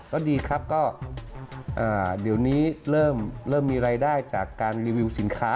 ก็ดีครับก็เดี๋ยวนี้เริ่มมีรายได้จากการรีวิวสินค้า